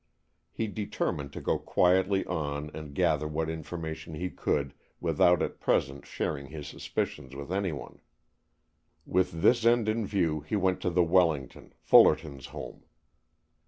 He determined to go quietly on and gather what information he could without at present sharing his suspicions with anyone. With this end in view he went to the Wellington, Fullerton's home.